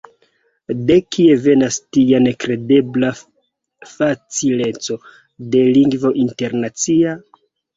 De kie venas tia nekredebla facileco de lingvo internacia?